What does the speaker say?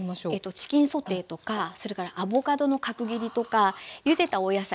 チキンソテーとかそれからアボカドの角切りとかゆでたお野菜とか。